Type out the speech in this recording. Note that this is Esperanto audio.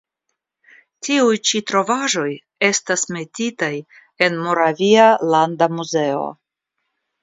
Tiuj ĉi trovaĵoj estas metitaj en Moravia landa muzeo.